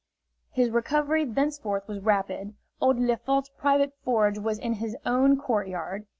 His recovery thenceforth was rapid. Old Lefort's private forge was in his own court yard.